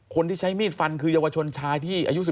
คนที่ใช้มีดฟันคือเยาวชนชายที่อายุ๑